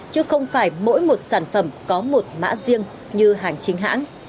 chứ không phải mỗi một sản phẩm có một mã riêng như hàng chính hãng